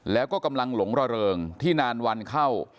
แล้วก็กำลังหลงระเริงที่นานวันเข้า